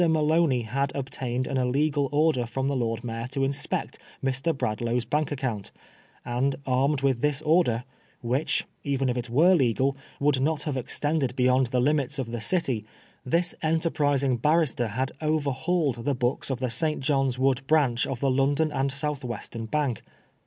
Maloney had obtained an illegal order &om the Lord Mayor to inspect Mr. Bradlaugh*s bank account, and armed with this order, which, even if it were legal, would not have extended beyond the limits of the City, this enterprising barrister had overhauled the books of the St. John's Wood Branch of the London and South Westem Bank.